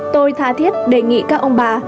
tôi thá thiết đề nghị các ông bà